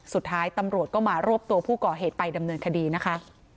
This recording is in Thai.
สุดท้ายตำรวจก็มารวบตัวผู้ก่อเหตุไปดำเนินคดีนะคะ